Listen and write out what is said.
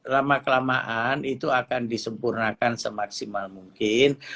lama kelamaan itu akan disempurnakan semaksimal mungkin